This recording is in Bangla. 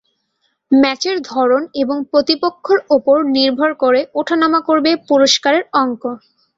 ম্যাচের ধরন এবং প্রতিপক্ষের ওপর নির্ভর করে ওঠানামা করবে পুরস্কারের অঙ্ক।